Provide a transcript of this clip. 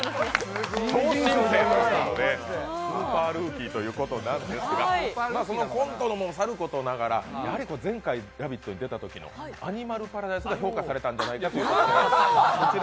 スーパールーキーということなんですがそのコントもさることながら前回「ラヴィット！」に出たときの「アニマルパラダイス」が評価されたんじゃないかと。